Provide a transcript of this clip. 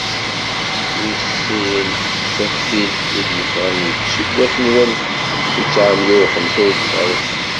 Wis sin d "Taftilt" i d-yeffɣen deg useggas n walef u tesεemya u xemsa u tesεin.